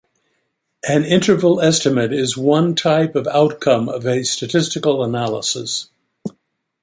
An interval estimate is one type of outcome of a statistical analysis.